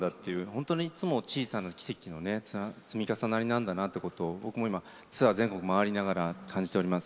本当に、いつも小さな奇跡の積み重なりなんだなって僕もツアー全国、回りながら感じております。